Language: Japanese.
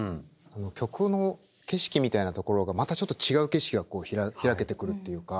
曲の景色みたいなところがまたちょっと違う景色が開けてくるっていうか